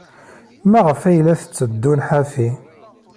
Maɣef ay la tteddun ḥafi?